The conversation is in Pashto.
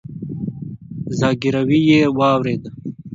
ځګيروی يې واورېد.